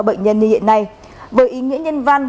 bệnh nhân như hiện nay với ý nghĩa nhân văn